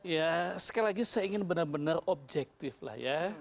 ya sekali lagi saya ingin benar benar objektif lah ya